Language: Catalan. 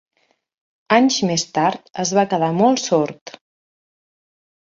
Anys més tard es va quedar molt sord.